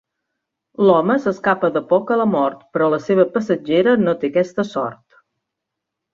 L'home s'escapa de poc a la mort però la seva passatgera no té aquesta sort.